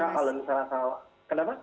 kakak kalau misalnya salah kenapa